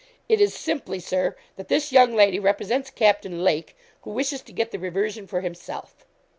'It is simply, Sir, that this young lady represents Captain Lake, who wishes to get the reversion for himself.'